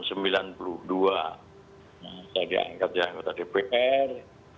saya jadi anggota dpr